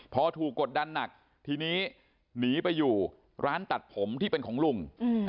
พอถูกกดดันหนักทีนี้หนีไปอยู่ร้านตัดผมที่เป็นของลุง